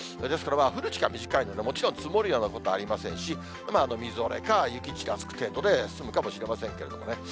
ですから、降る時間短いので、もちろん積もるようなことはありませんし、みぞれか、雪がちらつく程度で、済むかもしれませんけれどもね。